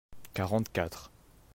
quarante quatre.